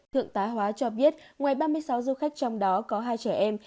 thượng tá hóa cho biết ngoài ba mươi sáu du khách trong đó có hai trẻ em